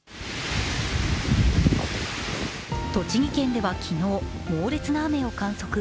栃木県では昨日、猛烈な雨を観測。